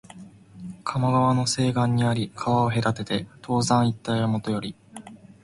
加茂川の西岸にあり、川を隔てて東山一帯はもとより、